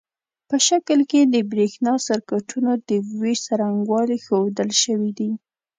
په شکل کې د برېښنا سرکټونو د وېش څرنګوالي ښودل شوي دي.